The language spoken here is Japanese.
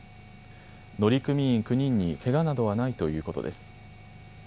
乗組員９人にけがなどはないということです。